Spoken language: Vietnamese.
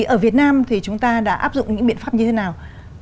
ở việt nam thì chúng ta đã áp dụng những biện pháp như thế nào